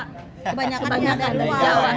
kebanyakan dari jawa